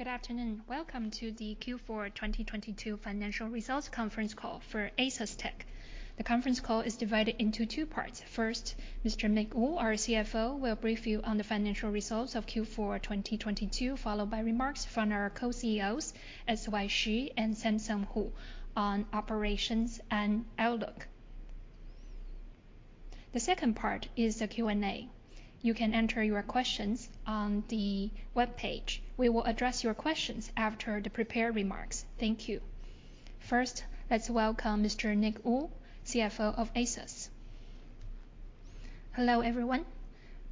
Good afternoon. Welcome to the Q4 2022 Financial Results Conference Call for ASUSTeK. The conference call is divided into two parts. First, Mr. Nick Wu, our CFO, will brief you on the financial results of Q4 2022, followed by remarks from our Co-CEOs, S.Y. Hsu and Samson Hu, on operations and outlook. The second part is the Q&A. You can enter your questions on the webpage. We will address your questions after the prepared remarks. Thank you. First, let's welcome Mr. Nick Wu, CFO of ASUS. Hello, everyone.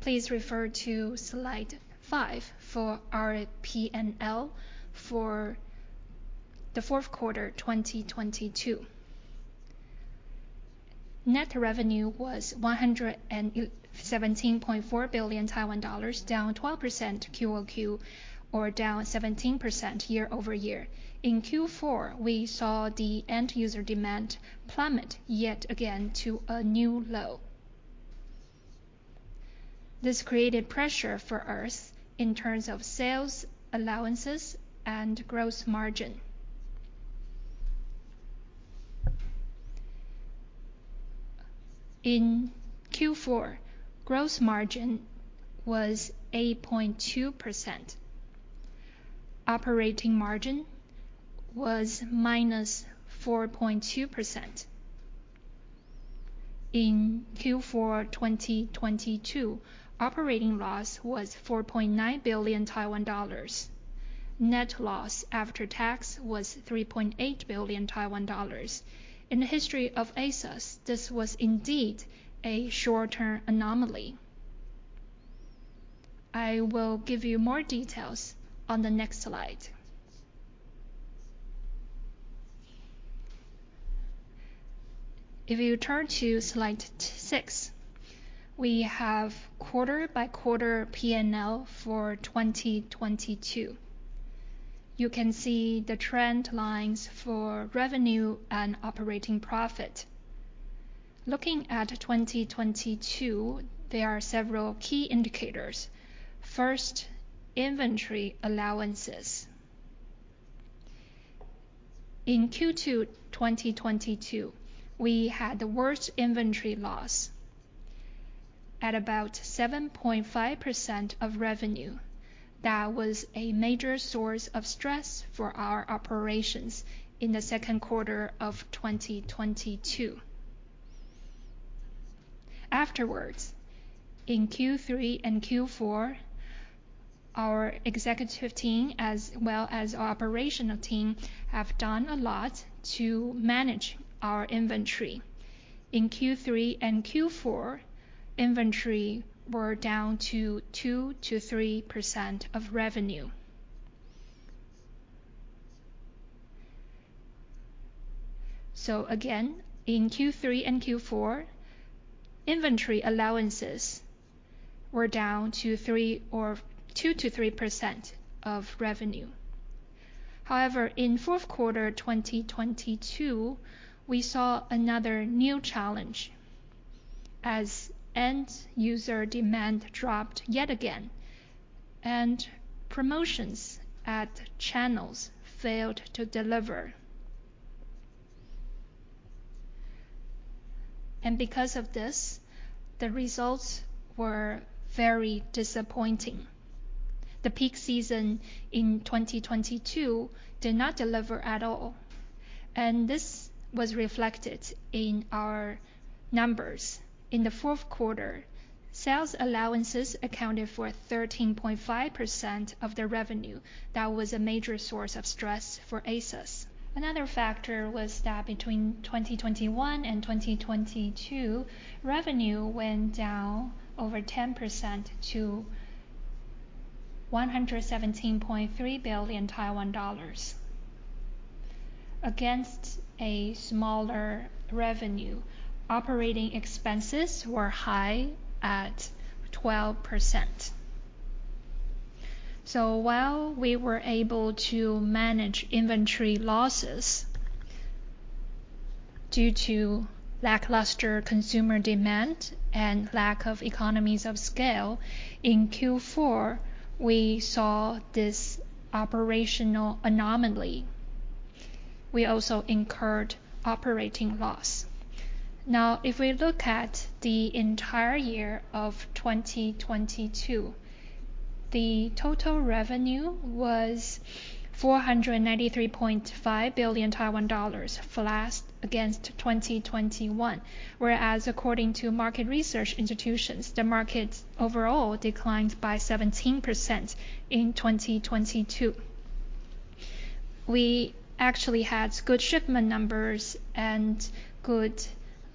Please refer to slide five for our P&L for the fourth quarter 2022. Net revenue was 117.4 billion Taiwan dollars, down 12% QoQ or down 17% year-over-year. In Q4, we saw the end-user demand plummet yet again to a new low. This created pressure for us in terms of sales, allowances, and gross margin. In Q4, gross margin was 8.2%. Operating margin was -4.2%. In Q4 2022, operating loss was 4.9 billion Taiwan dollars. Net loss after tax was 3.8 billion Taiwan dollars. In the history of ASUS, this was indeed a short-term anomaly. I will give you more details on the next slide. If you turn to slide six, we have quarter-by-quarter P&L for 2022. You can see the trend lines for revenue and operating profit. Looking at 2022, there are several key indicators. First, inventory allowances. In Q2 2022, we had the worst inventory loss at about 7.5% of revenue. That was a major source of stress for our operations in the second quarter of 2022. Afterwards, in Q3 and Q4, our executive team, as well as our operational team, have done a lot to manage our inventory. In Q3 and Q4, inventory were down to 2%-3% of revenue. Again, in Q3 and Q4, inventory allowances were down to 3% or 2%-3% of revenue. However, in fourth quarter 2022, we saw another new challenge as end-user demand dropped yet again and promotions at channels failed to deliver. Because of this, the results were very disappointing. The peak season in 2022 did not deliver at all, and this was reflected in our numbers. In the fourth quarter, sales allowances accounted for 13.5% of the revenue. That was a major source of stress for ASUS. Another factor was that between 2021 and 2022, revenue went down over 10% to 117.3 billion Taiwan dollars. Against a smaller revenue, operating expenses were high at 12%. While we were able to manage inventory losses, due to lackluster consumer demand and lack of economies of scale, in Q4 we saw this operational anomaly. We also incurred operating loss. If we look at the entire year of 2022, the total revenue was 493.5 billion Taiwan dollars flat against 2021. According to market research institutions, the market overall declined by 17% in 2022. We actually had good shipment numbers and good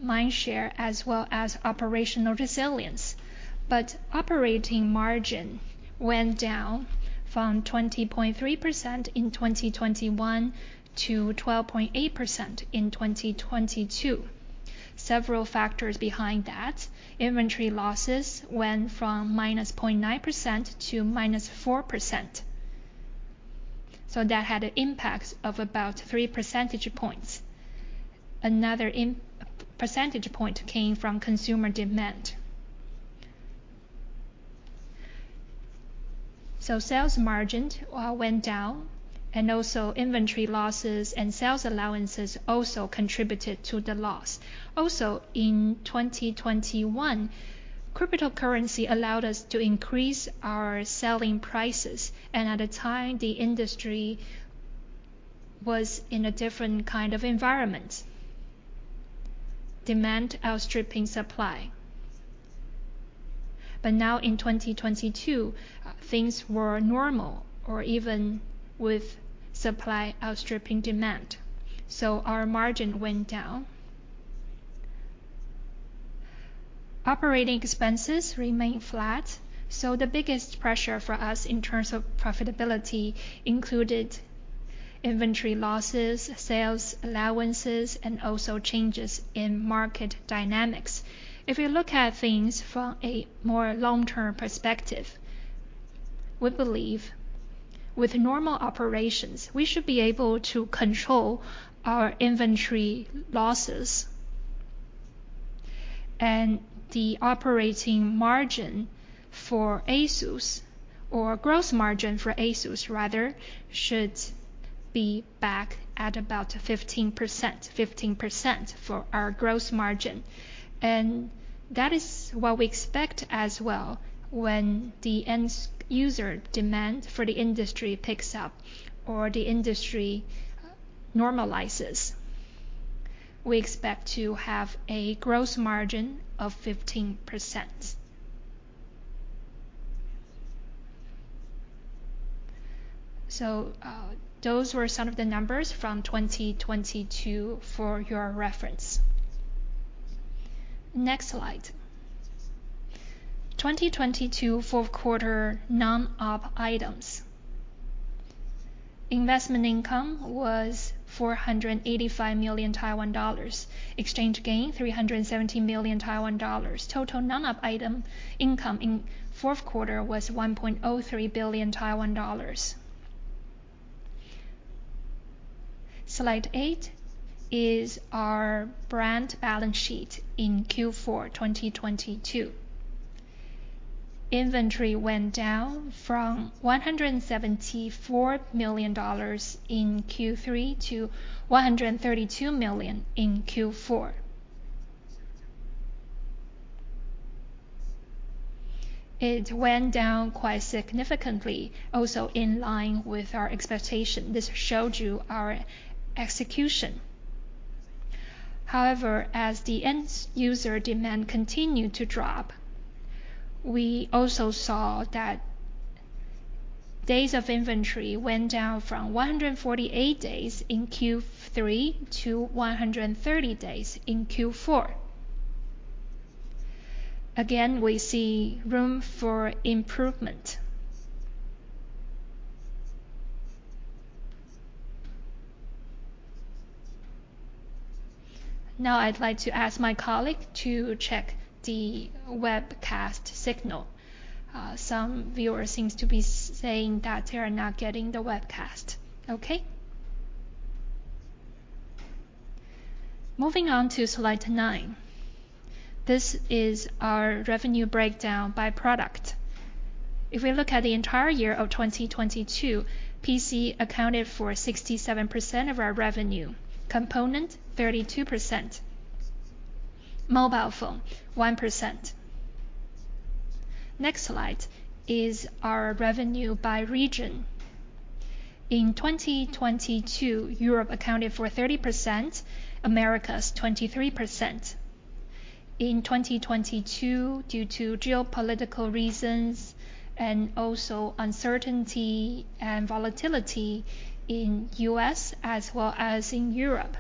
mindshare as well as operational resilience, but operating margin went down from 20.3% in 2021 to 12.8% in 2022. Several factors behind that, inventory losses went from -0.9% to -4%. That had an impact of about 3 percentage points. Another percentage point came from consumer demand. Sales margin all went down, and also inventory losses and sales allowances also contributed to the loss. Also, in 2021, cryptocurrency allowed us to increase our selling prices, and at the time, the industry was in a different kind of environment. Demand outstripping supply. Now, in 2022, things were normal, or even with supply outstripping demand. Our margin went down. Operating expenses remained flat, so the biggest pressure for us in terms of profitability included inventory losses, sales allowances, and also changes in market dynamics. If you look at things from a more long-term perspective, we believe with normal operations, we should be able to control our inventory losses. The operating margin for ASUS or gross margin for ASUS rather, should be back at about 15%, 15% for our gross margin. That is what we expect as well when the end user demand for the industry picks up or the industry normalizes. We expect to have a gross margin of 15%. Those were some of the numbers from 2022 for your reference. Next slide. 2022 fourth quarter non-OP items. Investment income was 485 million Taiwan dollars. Exchange gain, 317 million Taiwan dollars. Total non-OP item income in fourth quarter was 1.03 billion Taiwan dollars. Slide eight is our brand balance sheet in Q4 2022. Inventory went down from 174 million dollars in Q3 to 132 million in Q4. It went down quite significantly, also in line with our expectation. This showed you our execution. However, as the end user demand continued to drop, we also saw that days of inventory went down from 148 days in Q3 to 130 days in Q4. Again, we see room for improvement. Now, I'd like to ask my colleague to check the webcast signal. Some viewers seems to be saying that they are not getting the webcast. Okay. Moving on to slide nine. This is our revenue breakdown by product. If we look at the entire year of 2022, PC accounted for 67% of our revenue. Component, 32%. Mobile phone, 1%. Next slide is our revenue by region. In 2022, Europe accounted for 30%, Americas 23%. In 2022, due to geopolitical reasons and also uncertainty and volatility in U.S. as well as in Europe,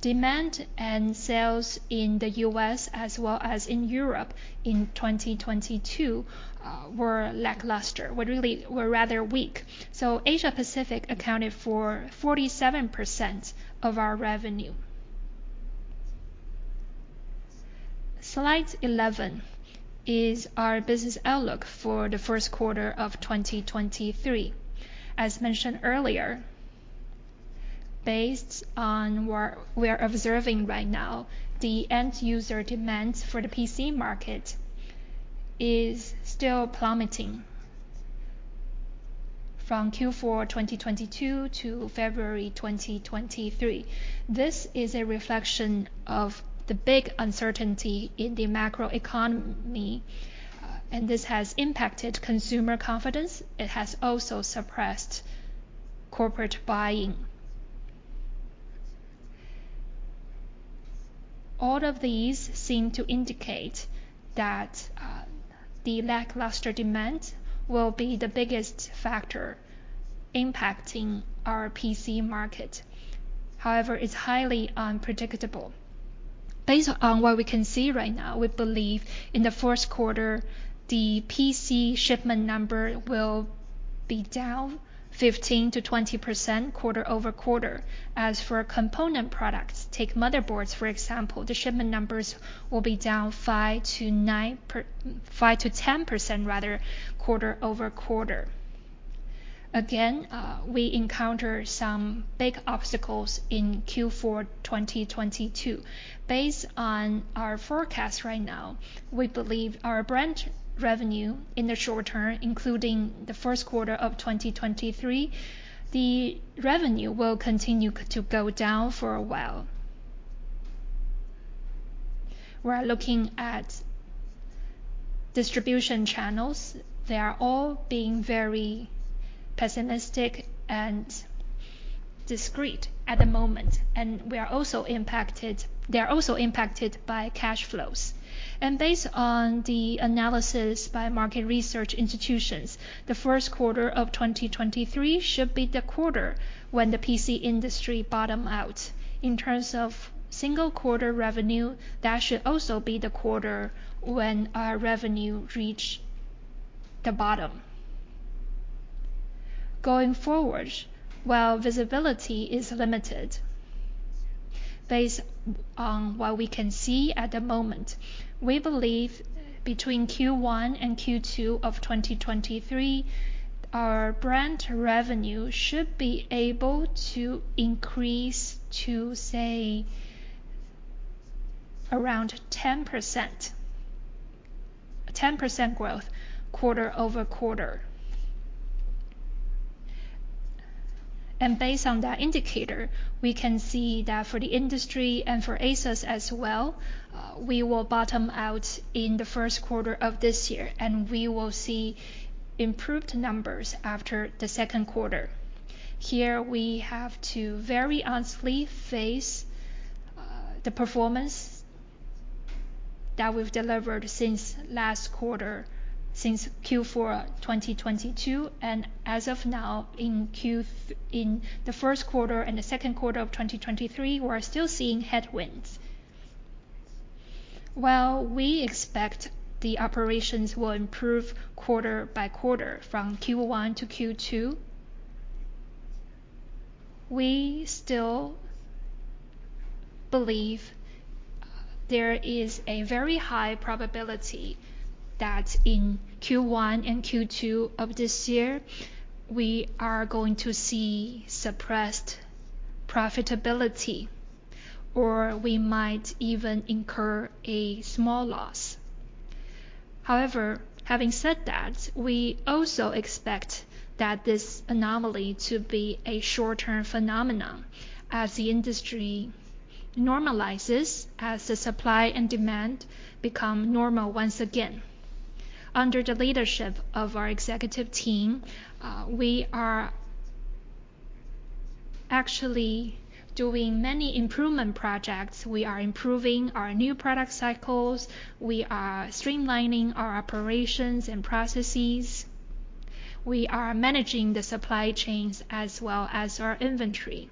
demand and sales in the U.S. as well as in Europe in 2022, were lackluster. Were rather weak. Asia Pacific accounted for 47% of our revenue. Slide 11 is our business outlook for the first quarter of 2023. As mentioned earlier, based on what we are observing right now, the end user demand for the PC market is still plummeting from Q4 2022 to February 2023. This is a reflection of the big uncertainty in the macroeconomy, and this has impacted consumer confidence. It has also suppressed corporate buying. All of these seem to indicate that the lackluster demand will be the biggest factor impacting our PC market. However, it's highly unpredictable. Based on what we can see right now, we believe in the first quarter, the PC shipment number will be down 15%-20% quarter-over-quarter. As for component products, take motherboards for example. The shipment numbers will be down 5%-10% rather, quarter-over-quarter. Again, we encountered some big obstacles in Q4 2022. Based on our forecast right now, we believe our brand revenue in the short term, including the first quarter of 2023, the revenue will continue to go down for a while. We're looking at distribution channels. They are all being very pessimistic and discreet at the moment, and they are also impacted by cash flows. Based on the analysis by market research institutions, the first quarter of 2023 should be the quarter when the PC industry bottom out. In terms of single quarter revenue, that should also be the quarter when our revenue reach the bottom. Going forward, while visibility is limited, based on what we can see at the moment, we believe between Q1 and Q2 of 2023, our brand revenue should be able to increase to, say, around 10%, 10% growth quarter-over-quarter. Based on that indicator, we can see that for the industry and for ASUS as well, we will bottom out in the first quarter of this year, and we will see improved numbers after the second quarter. Here, we have to very honestly face the performance that we've delivered since last quarter, since Q4 2022. As of now, in the first quarter and the second quarter of 2023, we are still seeing headwinds. While we expect the operations will improve quarter by quarter from Q1 to Q2, we still believe there is a very high probability that in Q1 and Q2 of this year, we are going to see suppressed profitability, or we might even incur a small loss. However, having said that, we also expect that this anomaly to be a short-term phenomenon as the industry normalizes, as the supply and demand become normal once again. Under the leadership of our executive team, we are actually doing many improvement projects. We are improving our new product cycles. We are streamlining our operations and processes. We are managing the supply chains as well as our inventory.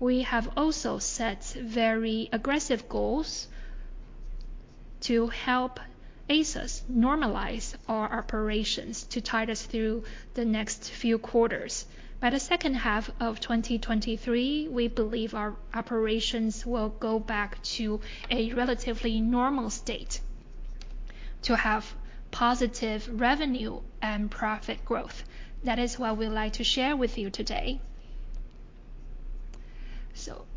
We have also set very aggressive goals to help ASUS normalize our operations to tide us through the next few quarters. By the second half of 2023, we believe our operations will go back to a relatively normal state to have positive revenue and profit growth. That is what we like to share with you today.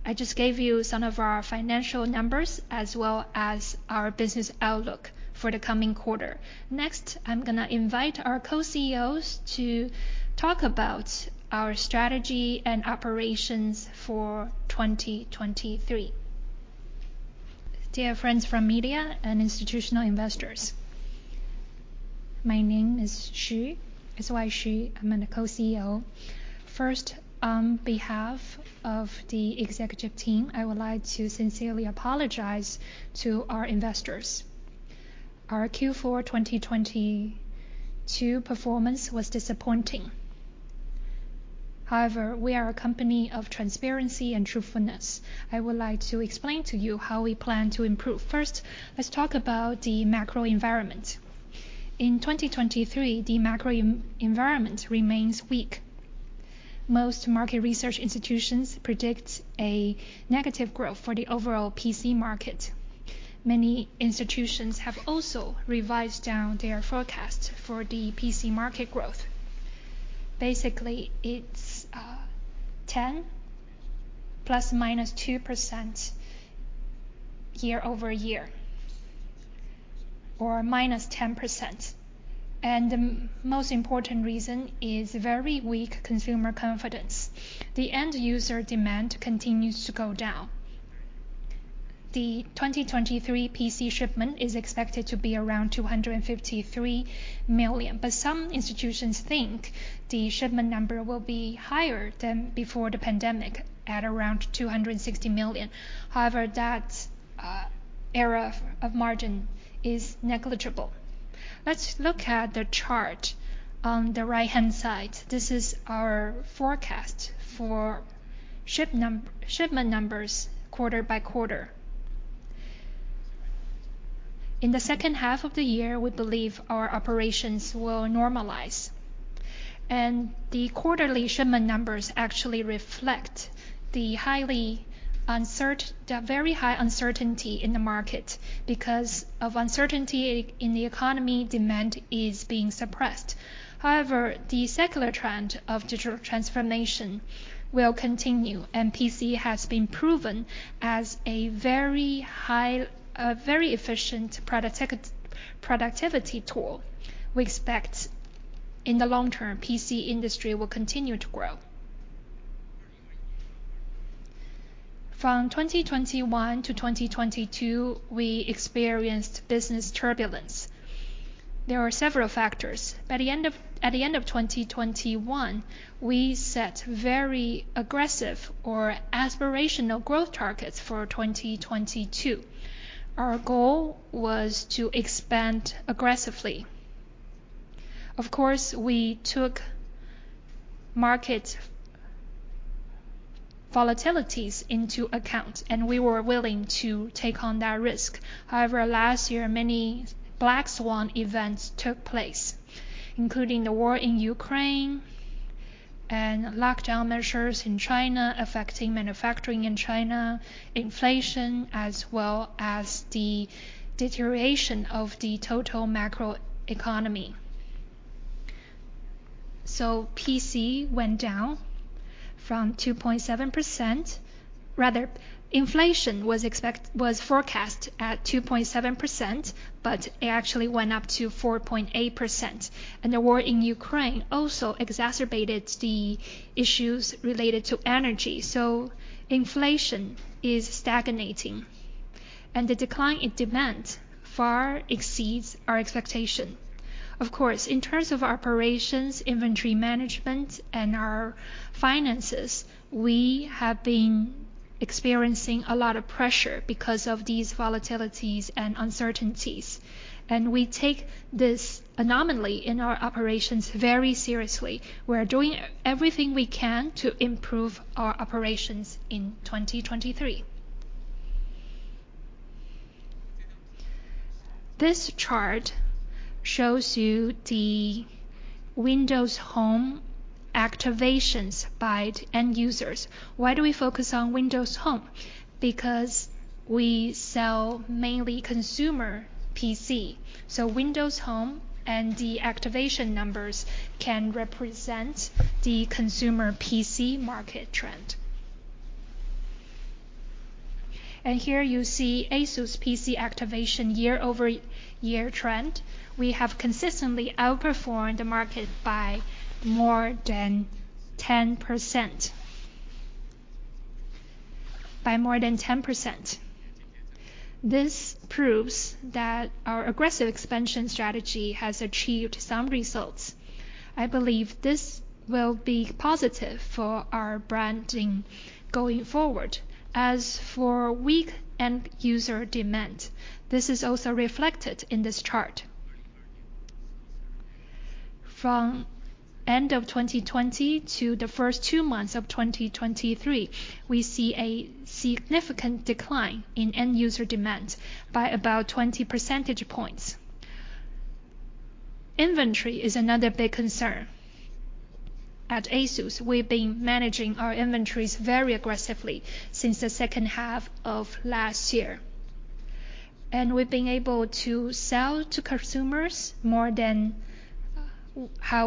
I just gave you some of our financial numbers as well as our business outlook for the coming quarter. Next, I'm going to invite our Co-CEOs to talk about our strategy and operations for 2023. Dear friends from media and institutional investors, my name is Hsu. S.Y. Hsu. I'm the Co-CEO. First, on behalf of the executive team, I would like to sincerely apologize to our investors. Our Q4 2022 performance was disappointing. We are a company of transparency and truthfulness. I would like to explain to you how we plan to improve. First, let's talk about the macro environment. In 2023, the macro environment remains weak. Most market research institutions predict a negative growth for the overall PC market. Many institutions have also revised down their forecast for the PC market growth. Basically, it's 10 ±2% year-over-year, or -10%. The most important reason is very weak consumer confidence. The end user demand continues to go down. The 2023 PC shipment is expected to be around 253 million. Some institutions think the shipment number will be higher than before the pandemic at around 260 million. However, that error of margin is negligible. Let's look at the chart on the right-hand side. This is our forecast for shipment numbers quarter-by-quarter. In the second half of the year, we believe our operations will normalize. The quarterly shipment numbers actually reflect the very high uncertainty in the market. Because of uncertainty in the economy, demand is being suppressed. However, the secular trend of digital transformation will continue, and PC has been proven as a very efficient productivity tool. We expect in the long term, PC industry will continue to grow. From 2021 to 2022, we experienced business turbulence. There are several factors. At the end of 2021, we set very aggressive or aspirational growth targets for 2022. Our goal was to expand aggressively. Of course, we took market volatilities into account, and we were willing to take on that risk. Last year, many black swan events took place, including the war in Ukraine and lockdown measures in China affecting manufacturing in China, inflation, as well as the deterioration of the total macroeconomy. PC went down from 2.7%. Rather, inflation was forecast at 2.7%, but it actually went up to 4.8%. The war in Ukraine also exacerbated the issues related to energy. Inflation is stagnating, and the decline in demand far exceeds our expectation. Of course, in terms of operations, inventory management, and our finances, we have been experiencing a lot of pressure because of these volatilities and uncertainties, and we take this anomaly in our operations very seriously. We are doing everything we can to improve our operations in 2023. This chart shows you the Windows Home activations by end users. Why do we focus on Windows Home? We sell mainly consumer PC. Windows Home and the activation numbers can represent the consumer PC market trend. Here you see ASUS PC activation year-over-year trend. We have consistently outperformed the market by more than 10%. This proves that our aggressive expansion strategy has achieved some results. I believe this will be positive for our branding going forward. As for weak end user demand, this is also reflected in this chart. From end of 2020 to the first two months of 2023, we see a significant decline in end user demand by about 20 percentage points. Inventory is another big concern. At ASUS, we've been managing our inventories very aggressively since the second half of last year, and we've been able to sell to consumers more than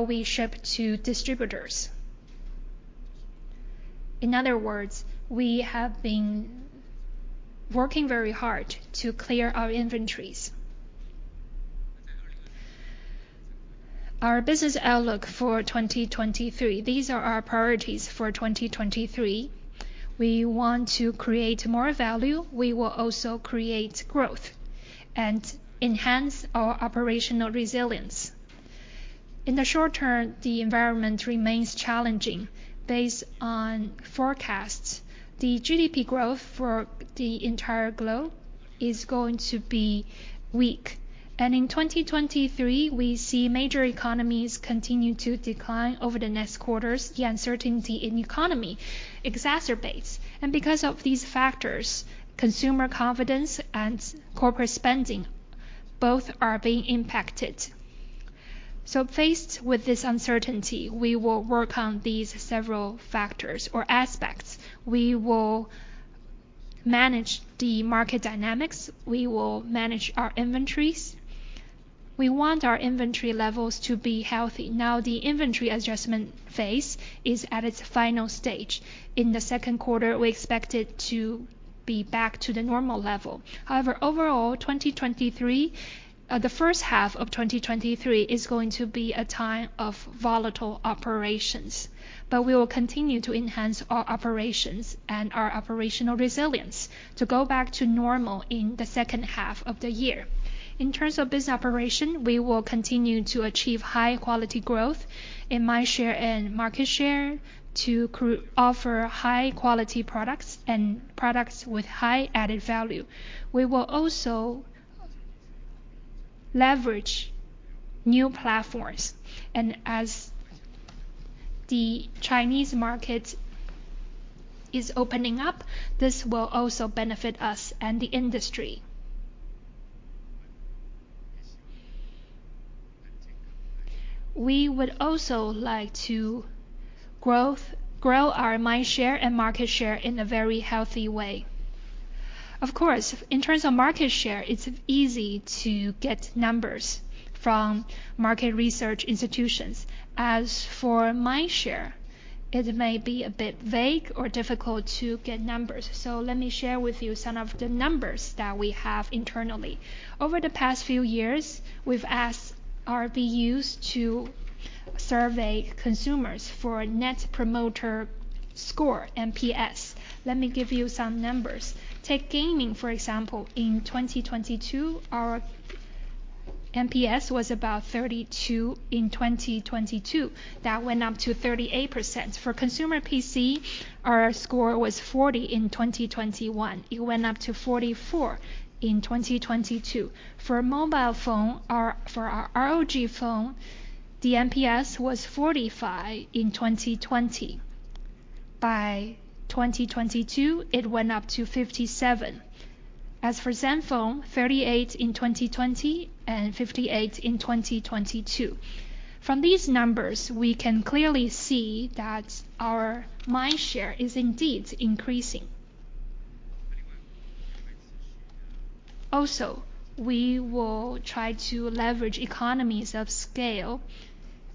we ship to distributors. In other words, we have been working very hard to clear our inventories. Our business outlook for 2023. These are our priorities for 2023. We want to create more value. We will also create growth and enhance our operational resilience. In the short term, the environment remains challenging. Based on forecasts, the GDP growth for the entire globe is going to be weak. In 2023, we see major economies continue to decline over the next quarters. The uncertainty in economy exacerbates. Because of these factors, consumer confidence and corporate spending both are being impacted. Faced with this uncertainty, we will work on these several factors or aspects. We will manage the market dynamics. We will manage our inventories. We want our inventory levels to be healthy. Now the inventory adjustment phase is at its final stage. In the second quarter, we expect it to be back to the normal level. However, overall, 2023, the first half of 2023 is going to be a time of volatile operations. We will continue to enhance our operations and our operational resilience to go back to normal in the second half of the year. In terms of business operation, we will continue to achieve high quality growth in my share and market share to offer high quality products and products with high added value. We will also leverage new platforms, and The Chinese market is opening up. This will also benefit us and the industry. We would also like to grow our mind share and market share in a very healthy way. Of course, in terms of market share, it's easy to get numbers from market research institutions. As for mind share, it may be a bit vague or difficult to get numbers. Let me share with you some of the numbers that we have internally. Over the past few years, we've asked our BUs to survey consumers for Net Promoter Score, NPS. Let me give you some numbers. Take gaming, for example. In 2022, our NPS was about 32 in 2022. That went up to 38%. For consumer PC, our score was 40 in 2021. It went up to 44 in 2022. For mobile phone, for our ROG phone, the NPS was 45 in 2020. By 2022, it went up to 57. As for Zenfone, 38 in 2020 and 58 in 2022. From these numbers, we can clearly see that our mind share is indeed increasing. Also, we will try to leverage economies of scale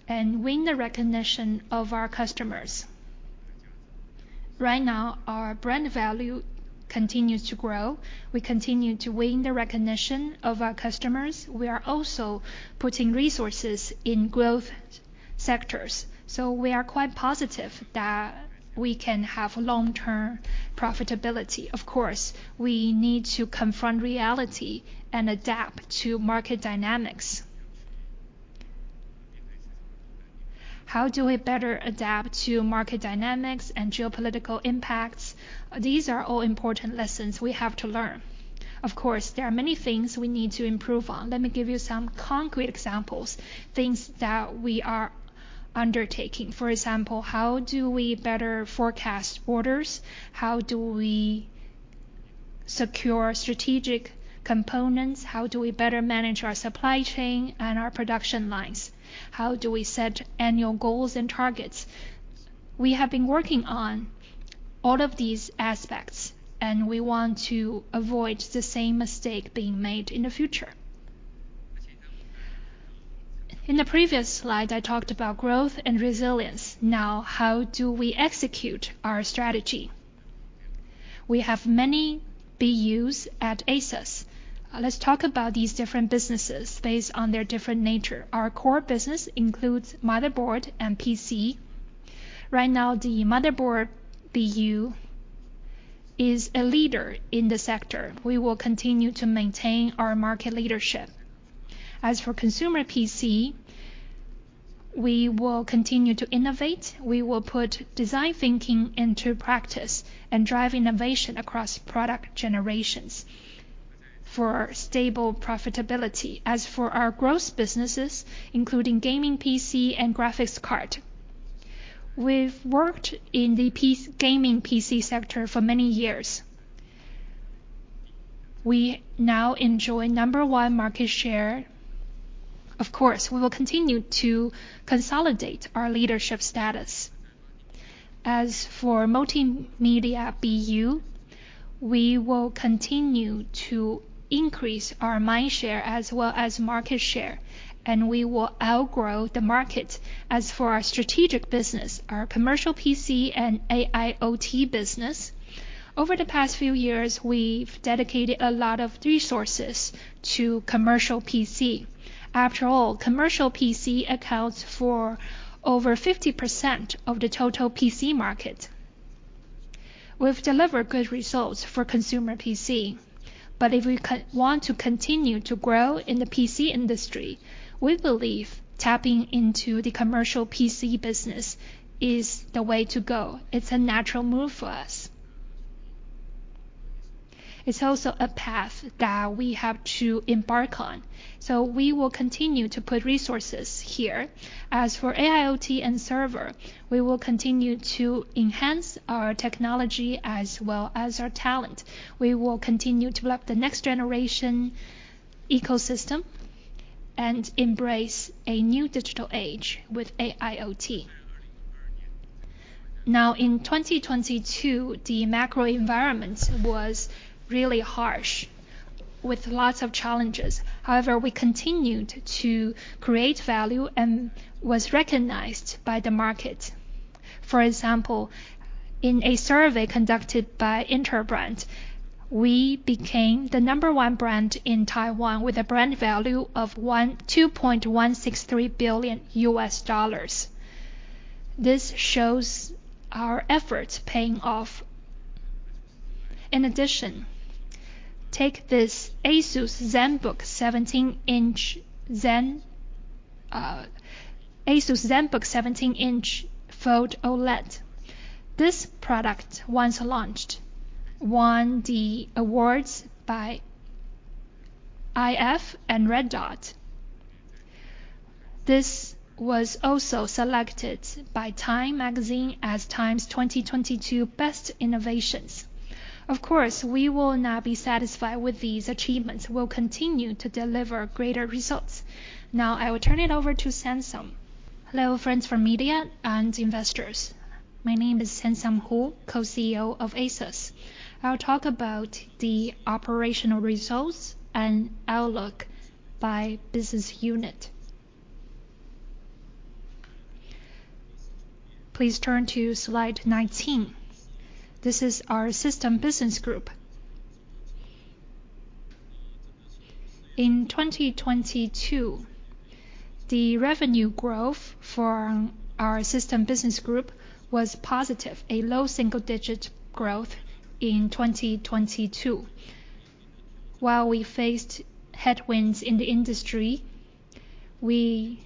and win the recognition of our customers. Right now, our brand value continues to grow. We continue to win the recognition of our customers. We are also putting resources in growth sectors. We are quite positive that we can have long-term profitability. Of course, we need to confront reality and adapt to market dynamics. How do we better adapt to market dynamics and geopolitical impacts? These are all important lessons we have to learn. Of course, there are many things we need to improve on. Let me give you some concrete examples, things that we are undertaking. For example, how do we better forecast orders? How do we secure strategic components? How do we better manage our supply chain and our production lines? How do we set annual goals and targets? We have been working on all of these aspects. We want to avoid the same mistake being made in the future. In the previous slide, I talked about growth and resilience. How do we execute our strategy? We have many BUs at ASUS. Let's talk about these different businesses based on their different nature. Our core business includes motherboard and PC. Right now, the motherboard BU is a leader in the sector. We will continue to maintain our market leadership. As for consumer PC, we will continue to innovate. We will put design thinking into practice and drive innovation across product generations for stable profitability. As for our growth businesses, including gaming PC and graphics card, we've worked in the gaming PC sector for many years. We now enjoy number one market share. Of course, we will continue to consolidate our leadership status. Multimedia BU, we will continue to increase our mind share as well as market share, and we will outgrow the market. Our strategic business, our commercial PC and AIoT business, over the past few years, we've dedicated a lot of resources to commercial PC. After all, commercial PC accounts for over 50% of the total PC market. We've delivered good results for consumer PC, but if we want to continue to grow in the PC industry, we believe tapping into the commercial PC business is the way to go. It's a natural move for us. It's also a path that we have to embark on, so we will continue to put resources here. AIoT and server, we will continue to enhance our technology as well as our talent. We will continue to develop the next generation ecosystem and embrace a new digital age with AIoT. In 2022, the macro environment was really harsh with lots of challenges. We continued to create value and was recognized by the market. In a survey conducted by Interbrand, we became the number one brand in Taiwan with a brand value of $2.163 billion. This shows our efforts paying off. Take this ASUS Zenbook 17-inch Fold OLED. This product, once launched, won the awards by IF and Red Dot. This was also selected by TIME Magazine as TIME's 2022 best innovations. We will not be satisfied with these achievements. We'll continue to deliver greater results. I will turn it over to Samson. Hello, friends from media and investors. My name is Samson Hu, Co-CEO of ASUS. I'll talk about the operational results and outlook by business unit. Please turn to slide 19. This is our System Business Group. In 2022, the revenue growth for our System Business Group was positive, a low single-digit growth in 2022. While we faced headwinds in the industry, we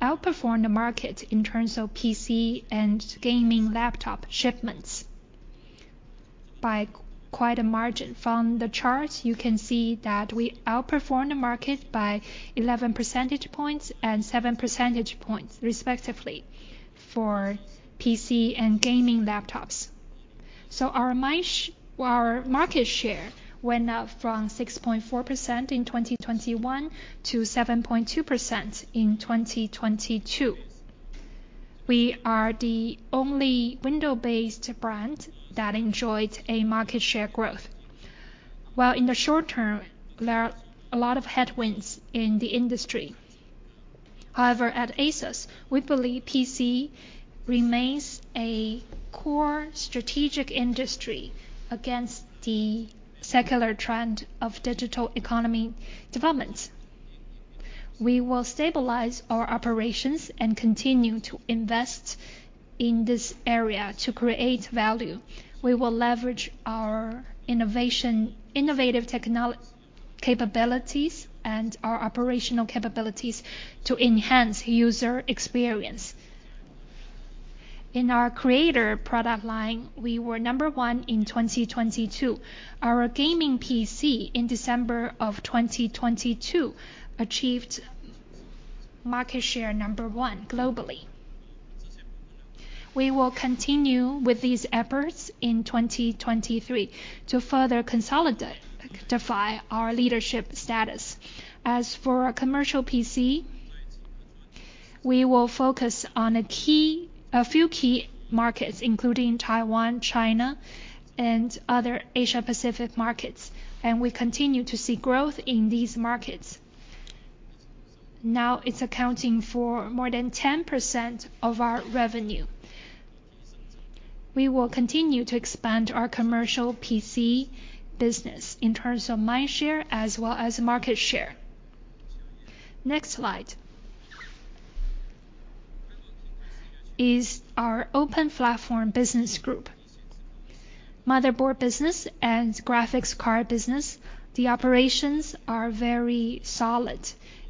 outperformed the market in terms of PC and gaming laptop shipments by quite a margin. From the charts, you can see that we outperformed the market by 11 percentage points and seven percentage points, respectively, for PC and gaming laptops. Our market share went up from 6.4% in 2021 to 7.2% in 2022. We are the only Windows-based brand that enjoyed a market share growth. While in the short term, there are a lot of headwinds in the industry. However, at ASUS, we believe PC remains a core strategic industry against the secular trend of digital economy development. We will stabilize our operations and continue to invest in this area to create value. We will leverage our innovation, innovative capabilities and our operational capabilities to enhance user experience. In our Creator product line, we were number one in 2022. Our gaming PC in December 2022 achieved market share number one globally. We will continue with these efforts in 2023 to further defy our leadership status. As for our commercial PC, we will focus on a few key markets, including Taiwan, China, and other Asia-Pacific markets, and we continue to see growth in these markets. It's accounting for more than 10% of our revenue. We will continue to expand our commercial PC business in terms of mindshare as well as market share. Next slide. Is our Open Platform Business Group. Motherboard business and graphics card business, the operations are very solid.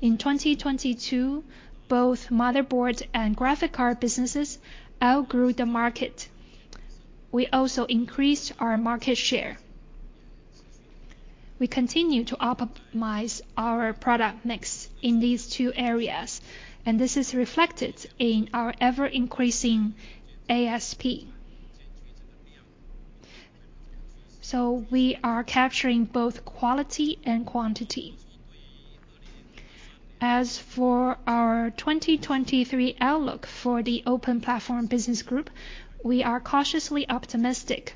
In 2022, both motherboard and graphics card businesses outgrew the market. We also increased our market share. We continue to optimize our product mix in these two areas, this is reflected in our ever-increasing ASP. We are capturing both quality and quantity. As for our 2023 outlook for the Open Platform Business Group, we are cautiously optimistic.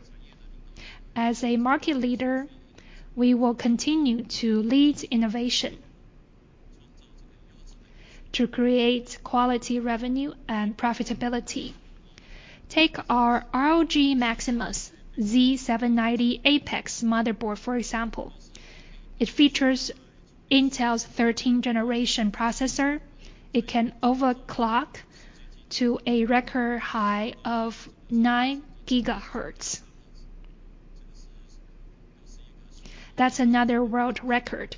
As a market leader, we will continue to lead innovation to create quality revenue and profitability. Take our ROG Maximus Z790 Apex motherboard, for example. It features Intel's 13th generation processor. It can overclock to a record high of 9 gigahertz. That's another world record.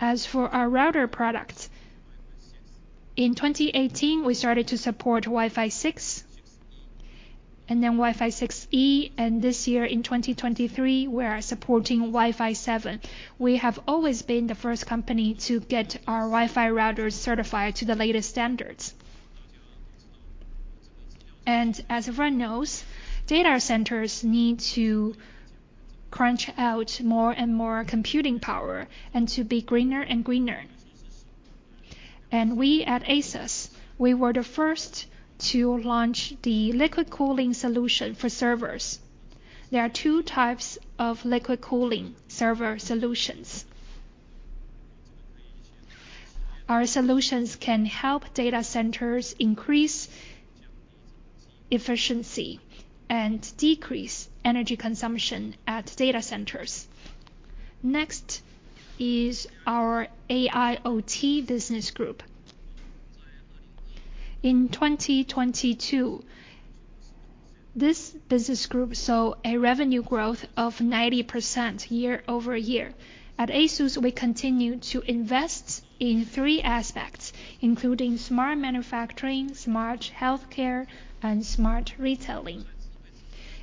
As for our router product, in 2018, we started to support Wi-Fi 6, then Wi-Fi 6E, this year in 2023, we are supporting Wi-Fi 7. We have always been the first company to get our Wi-Fi routers certified to the latest standards. As everyone knows, data centers need to crunch out more and more computing power and to be greener and greener. We at ASUS, we were the first to launch the liquid cooling solution for servers. There are two types of liquid cooling server solutions. Our solutions can help data centers increase efficiency and decrease energy consumption at data centers. Next is our AIoT Business Group. In 2022, this Business Group saw a revenue growth of 90% year-over-year. At ASUS, we continue to invest in three aspects, including smart manufacturing, smart healthcare, and smart retailing.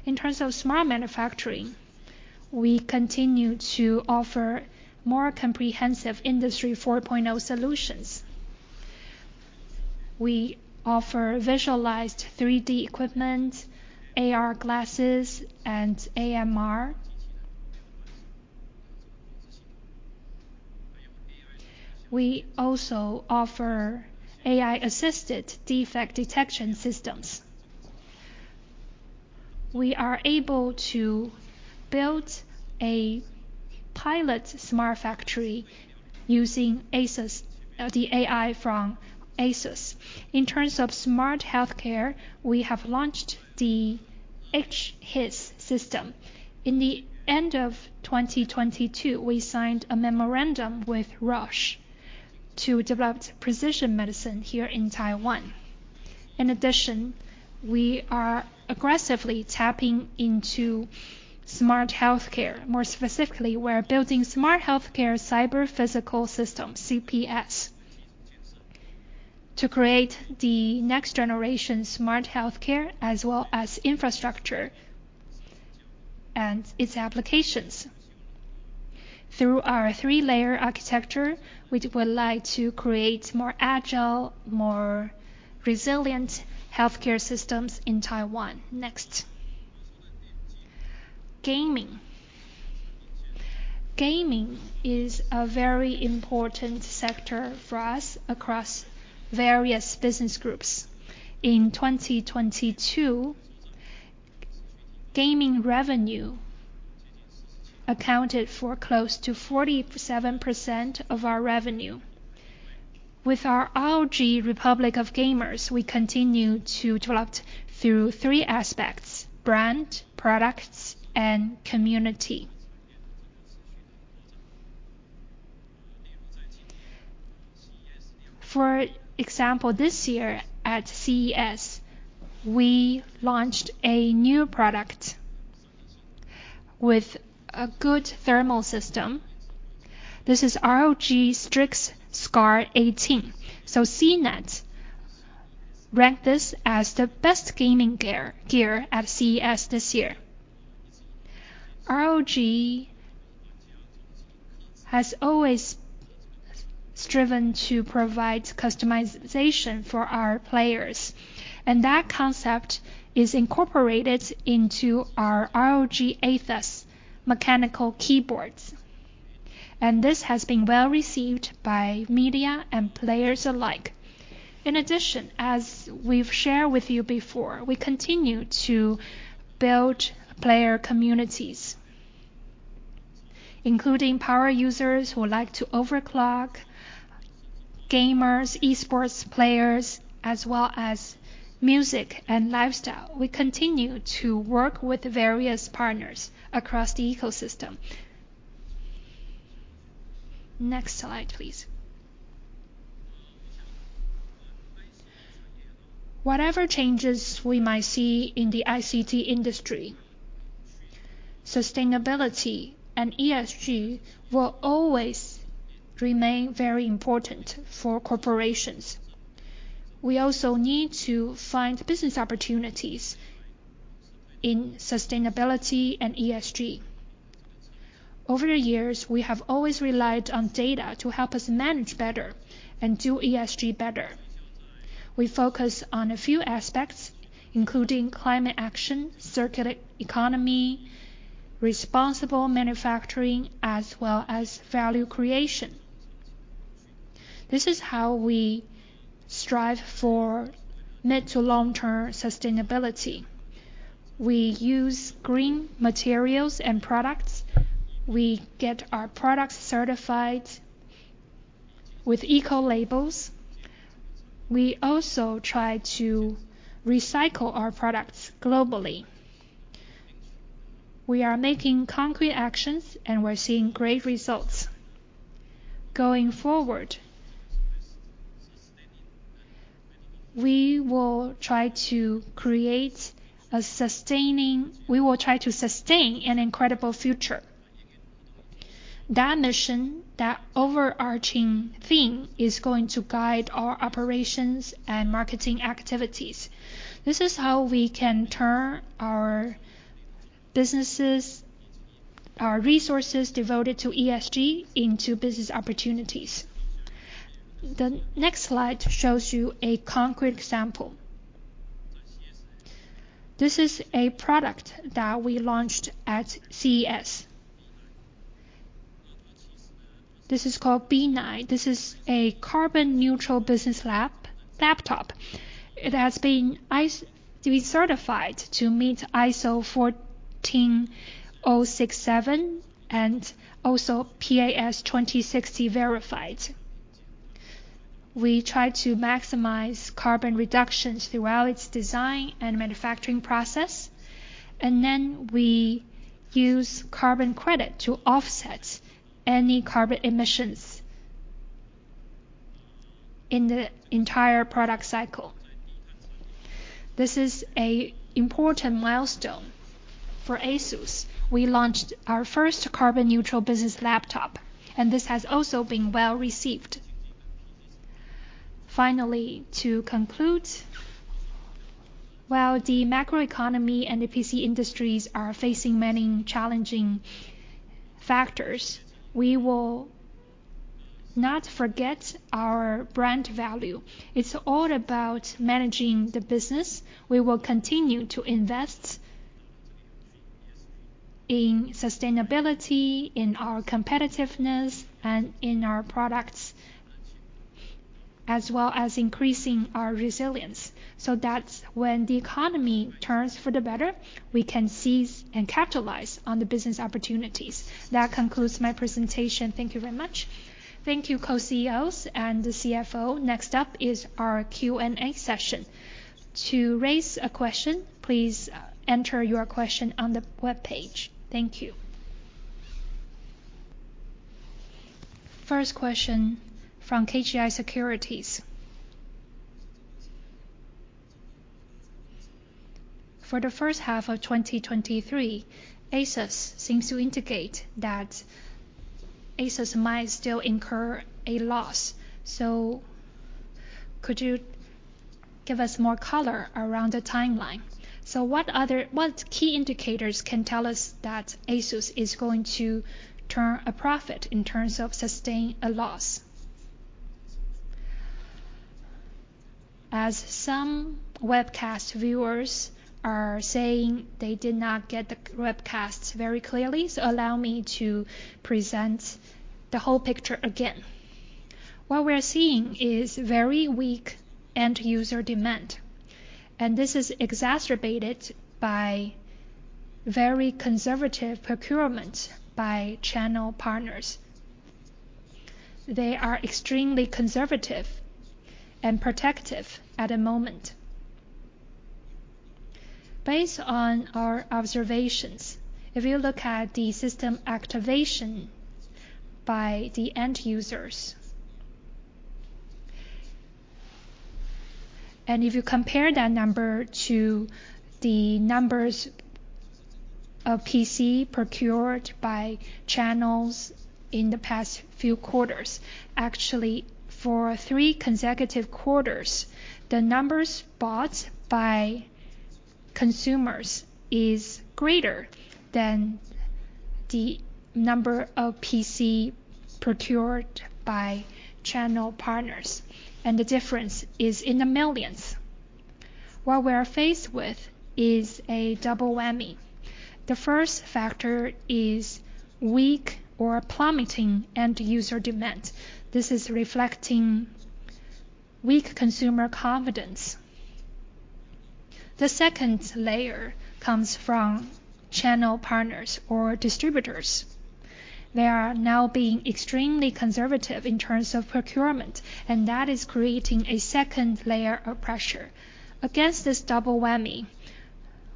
In terms of smart manufacturing, we continue to offer more comprehensive Industry 4.0 solutions. We offer visualized 3D equipment, AR glasses, and AMR. We also offer AI-assisted defect detection systems. We are able to build a pilot smart factory using ASUS, the AI from ASUS. In terms of smart healthcare, we have launched the edge HIS system. In the end of 2022, we signed a memorandum with Roche to develop precision medicine here in Taiwan. We are aggressively tapping into smart healthcare. More specifically, we're building smart healthcare cyber-physical system, CPS, to create the next generation smart healthcare as well as infrastructure and its applications. Through our 3-layer architecture, we would like to create more agile, more resilient healthcare systems in Taiwan. Next. Gaming. Gaming is a very important sector for us across various business groups. In 2022, gaming revenue accounted for close to 47% of our revenue. With our ROG, Republic of Gamers, we continue to develop through three aspects: brand, products, and community. For example, this year at CES, we launched a new product with a good thermal system. This is ROG Strix Scar 18. CNET ranked this as the best gaming gear at CES this year. ROG has always striven to provide customization for our players, and that concept is incorporated into our ROG Azoth mechanical keyboards. This has been well-received by media and players alike. In addition, as we've shared with you before, we continue to build player communities, including power users who like to overclock, gamers, e-sports players, as well as music and lifestyle. We continue to work with various partners across the ecosystem. Next slide, please. Whatever changes we might see in the ICT industry, sustainability and ESG will always remain very important for corporations. We also need to find business opportunities in sustainability and ESG. Over the years, we have always relied on data to help us manage better and do ESG better. We focus on a few aspects, including climate action, circular economy, responsible manufacturing, as well as value creation. This is how we strive for mid to long-term sustainability. We use green materials and products. We get our products certified with eco labels. We also try to recycle our products globally. We are making concrete actions, and we're seeing great results. Going forward, we will try to sustain an incredible future. That mission, that overarching theme is going to guide our operations and marketing activities. This is how we can turn our businesses, our resources devoted to ESG into business opportunities. The next slide shows you a concrete example. This is a product that we launched at CES. This is called B9. This is a carbon neutral business laptop. It has been certified to meet ISO 14067 and also PAS 2060 verified. We try to maximize carbon reductions throughout its design and manufacturing process. Then we use carbon credit to offset any carbon emissions in the entire product cycle. This is a important milestone for ASUS. We launched our first carbon neutral business laptop. This has also been well received. Finally, to conclude, while the macroeconomy and the PC industries are facing many challenging factors, we will not forget our brand value. It's all about managing the business. We will continue to invest in sustainability, in our competitiveness, and in our products, as well as increasing our resilience. That's when the economy turns for the better, we can seize and capitalize on the business opportunities. That concludes my presentation. Thank you very much. Thank you, co-CEOs and the CFO. Next up is our Q&A session. To raise a question, please enter your question on the webpage. Thank you. First question from KGI Securities. For the first half of 2023, ASUS seems to indicate that ASUS might still incur a loss. Could you give us more color around the timeline? What key indicators can tell us that ASUS is going to turn a profit in terms of sustaining a loss? Some webcast viewers are saying they did not get the webcast very clearly, so allow me to present the whole picture again. What we're seeing is very weak end user demand, and this is exacerbated by very conservative procurement by channel partners. They are extremely conservative and protective at the moment. Based on our observations, if you look at the system activation by the end users, and if you compare that number to the numbers of PC procured by channels in the past few quarters. Actually, for three consecutive quarters, the numbers bought by consumers is greater than the number of PC procured by channel partners, and the difference is in the millions. What we are faced with is a double whammy. The first factor is weak or plummeting end user demand. This is reflecting weak consumer confidence. The second layer comes from channel partners or distributors. They are now being extremely conservative in terms of procurement, and that is creating a second layer of pressure. Against this double whammy,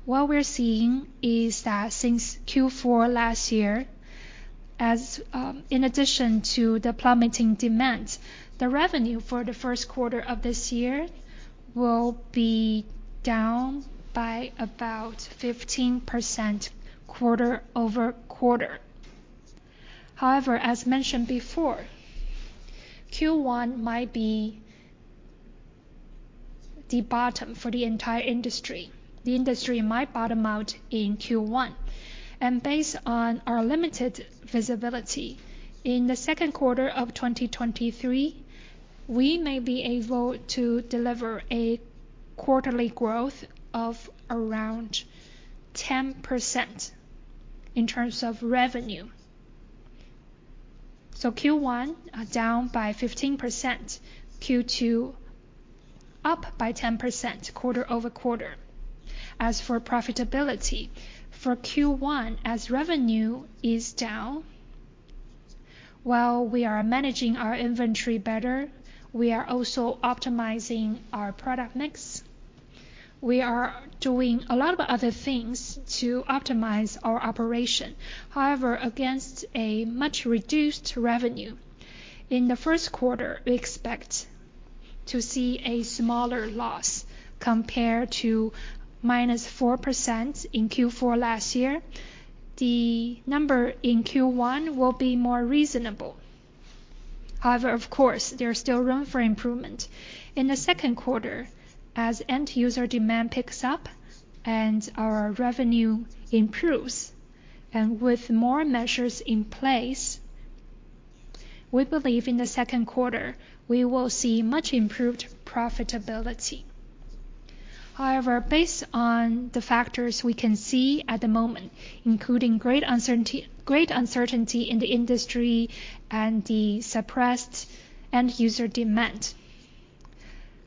what we're seeing is that since Q4 last year, as, in addition to the plummeting demand, the revenue for the first quarter of this year will be down by about 15% quarter-over-quarter. As mentioned before, Q1 might be the bottom for the entire industry. The industry might bottom out in Q1. Based on our limited visibility, in Q2 of 2023, we may be able to deliver a quarterly growth of around 10% in terms of revenue. Q1 down by 15%, Q2 up by 10% quarter-over-quarter. As for profitability, for Q1, as revenue is down, while we are managing our inventory better, we are also optimizing our product mix. We are doing a lot of other things to optimize our operation. Against a much reduced revenue, in the first quarter, we expect to see a smaller loss compared to -4% in Q4 last year. The number in Q1 will be more reasonable. Of course, there's still room for improvement. In the second quarter, as end user demand picks up and our revenue improves and with more measures in place, we believe in the second quarter we will see much improved profitability. Based on the factors we can see at the moment, including great uncertainty in the industry and the suppressed end user demand,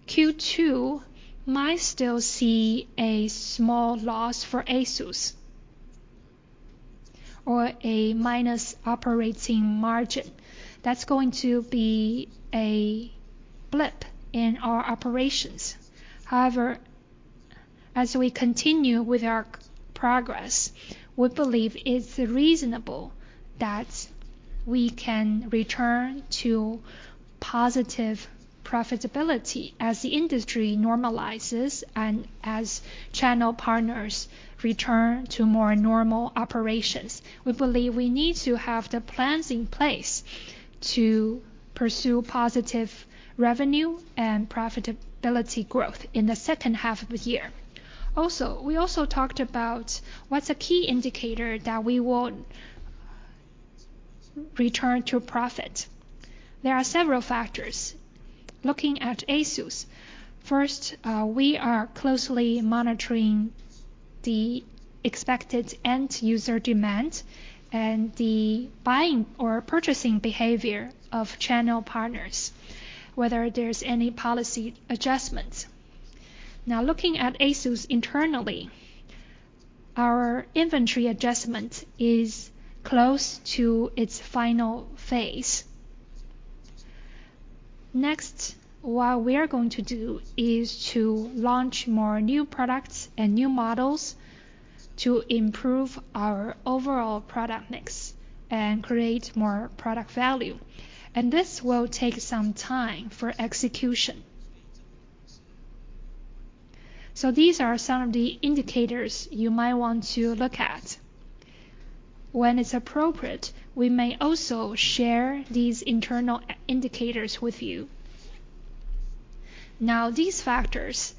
Q2 might still see a small loss for ASUS or a minus operating margin. That's going to be a blip in our operations. As we continue with our progress, we believe it's reasonable. We can return to positive profitability as the industry normalizes and as channel partners return to more normal operations. We believe we need to have the plans in place to pursue positive revenue and profitability growth in the second half of the year. We also talked about what's a key indicator that we will return to profit. There are several factors. Looking at ASUS, first, we are closely monitoring the expected end-user demand and the buying or purchasing behavior of channel partners, whether there's any policy adjustments. Looking at ASUS internally, our inventory adjustment is close to its final phase. What we are going to do is to launch more new products and new models to improve our overall product mix and create more product value, and this will take some time for execution. These are some of the indicators you might want to look at. When it's appropriate, we may also share these internal indicators with you. These factors,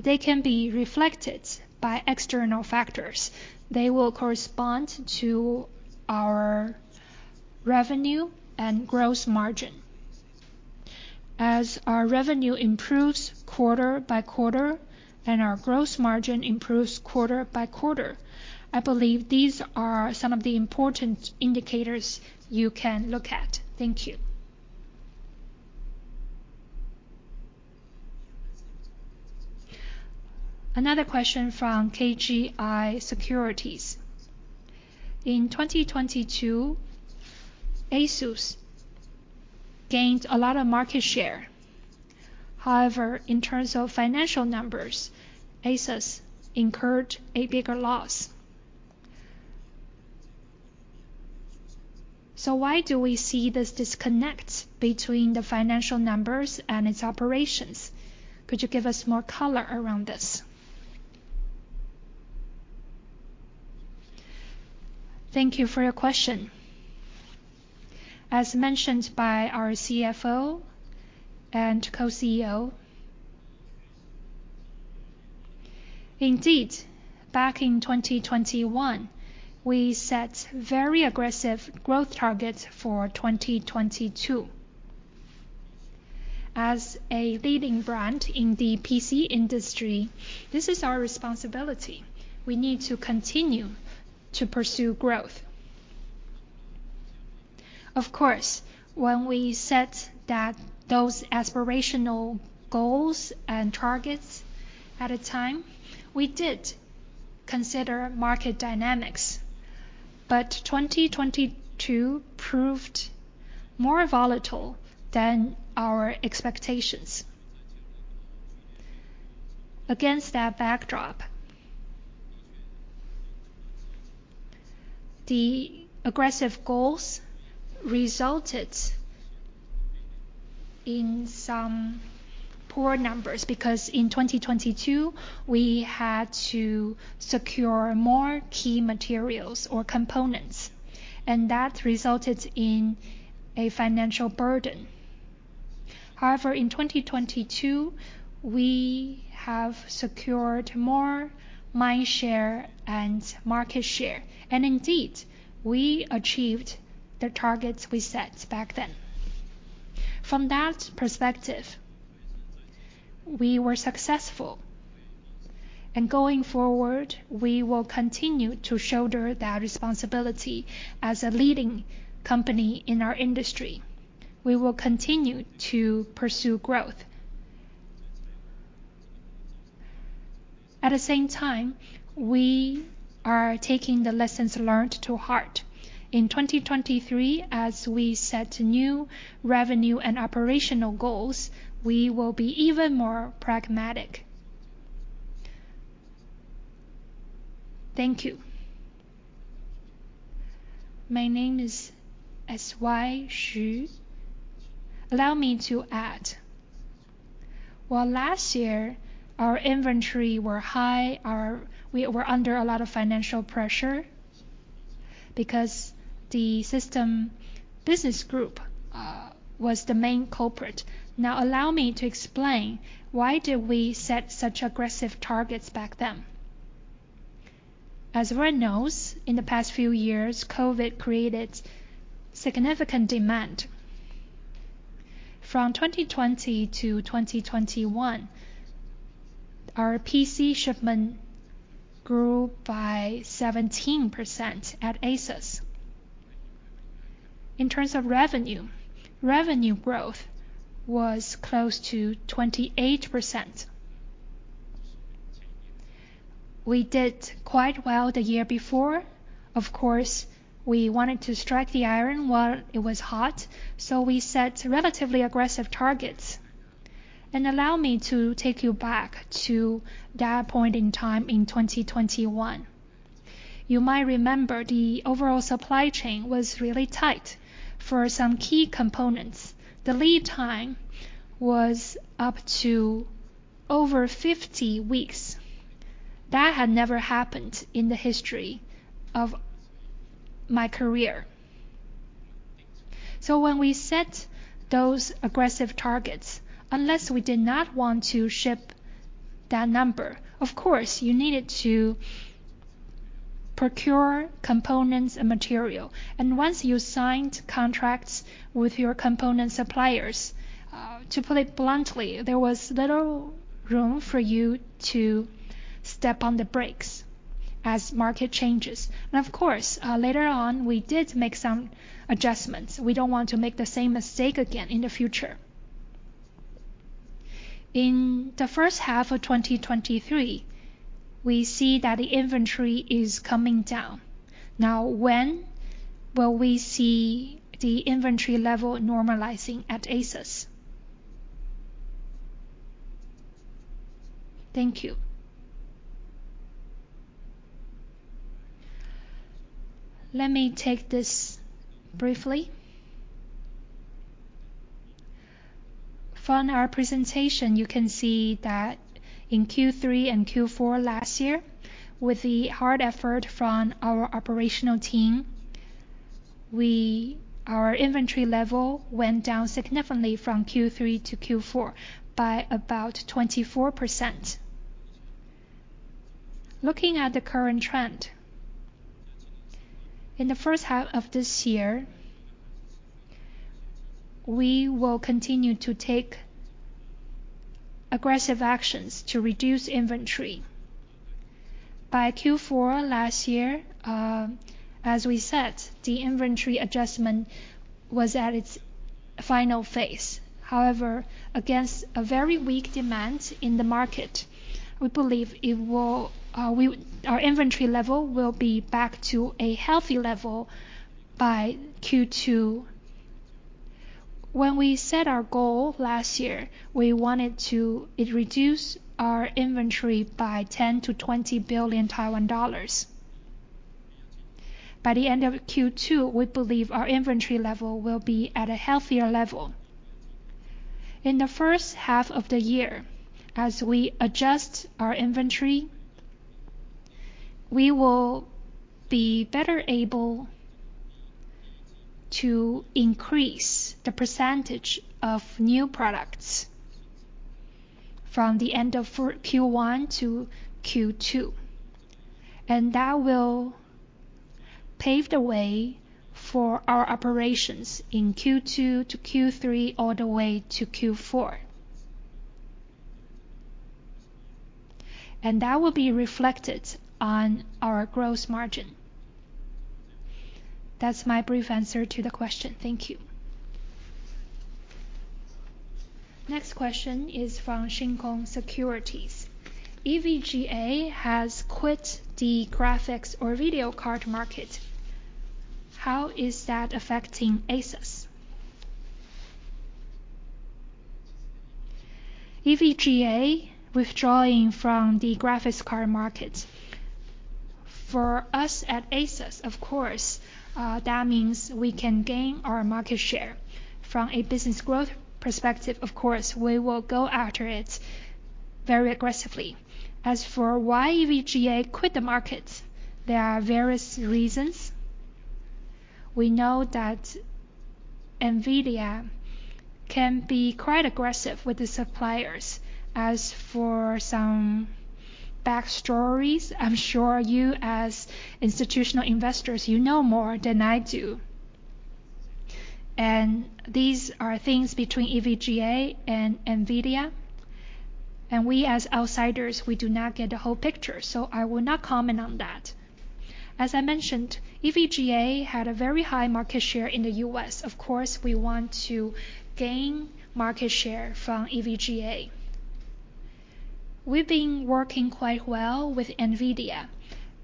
they can be reflected by external factors. They will correspond to our revenue and gross margin. As our revenue improves quarter-by-quarter and our gross margin improves quarter-by-quarter, I believe these are some of the important indicators you can look at. Thank you. Another question from KGI Securities. In 2022, ASUS gained a lot of market share. In terms of financial numbers, ASUS incurred a bigger loss. Why do we see this disconnect between the financial numbers and its operations? Could you give us more color around this? Thank you for your question. As mentioned by our CFO and co-CEO, indeed, back in 2021, we set very aggressive growth targets for 2022. As a leading brand in the PC industry, this is our responsibility. We need to continue to pursue growth. Of course, when we set that, those aspirational goals and targets at a time, we did consider market dynamics, but 2022 proved more volatile than our expectations. Against that backdrop, the aggressive goals resulted in some poor numbers, because in 2022, we had to secure more key materials or components, and that resulted in a financial burden. However, in 2022, we have secured more mind share and market share, and indeed, we achieved the targets we set back then. From that perspective, we were successful. Going forward, we will continue to shoulder that responsibility as a leading company in our industry. We will continue to pursue growth. At the same time, we are taking the lessons learned to heart. In 2023, as we set new revenue and operational goals, we will be even more pragmatic. Thank you. My name is S.Y. Hsu. Allow me to add. While last year our inventory were high, We were under a lot of financial pressure because the System Business Group was the main culprit. Allow me to explain why did we set such aggressive targets back then. Everyone knows, in the past few years, COVID created significant demand. From 2020 to 2021, our PC shipment grew by 17% at ASUS. In terms of revenue growth was close to 28%. We did quite well the year before. Of course, we wanted to strike the iron while it was hot, We set relatively aggressive targets. Allow me to take you back to that point in time in 2021. You might remember the overall supply chain was really tight for some key components. The lead time was up to over 50 weeks. That had never happened in the history of my career. When we set those aggressive targets, unless we did not want to ship that number, of course, you needed to procure components and material. Once you signed contracts with your component suppliers, to put it bluntly, there was little room for you to step on the brakes as market changes. Of course, later on, we did make some adjustments. We don't want to make the same mistake again in the future. In the first half of 2023, we see that the inventory is coming down. When will we see the inventory level normalizing at ASUS? Thank you. Let me take this briefly. From our presentation, you can see that in Q3 and Q4 last year, with the hard effort from our operational team, our inventory level went down significantly from Q3 to Q4 by about 24%. Looking at the current trend, in the first half of this year, we will continue to take aggressive actions to reduce inventory. By Q4 last year, as we said, the inventory adjustment was at its final phase. However, against a very weak demand in the market, we believe it will, our inventory level will be back to a healthy level by Q2. When we set our goal last year, we wanted to reduce our inventory by 10 billion-20 billion Taiwan dollars. By the end of Q2, we believe our inventory level will be at a healthier level. In the first half of the year, as we adjust our inventory, we will be better able to increase the percentage of new products from the end of Q1 to Q2. That will pave the way for our operations in Q2 to Q3 all the way to Q4. That will be reflected on our gross margin. That's my brief answer to the question. Thank you. Next question is from Shin Kong Securities. EVGA has quit the graphics or video card market. How is that affecting ASUS? EVGA withdrawing from the graphics card market. For us at ASUS, of course, that means we can gain our market share. From a business growth perspective, of course, we will go after it very aggressively. As for why EVGA quit the market, there are various reasons. We know that NVIDIA can be quite aggressive with the suppliers. As for some backstories, I'm sure you as institutional investors, you know more than I do. These are things between EVGA and NVIDIA, and we as outsiders, we do not get the whole picture, so I will not comment on that. As I mentioned, EVGA had a very high market share in the US. Of course, we want to gain market share from EVGA. We've been working quite well with NVIDIA,